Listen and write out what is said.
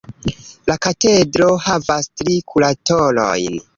La katedro havas tri kuratorojn.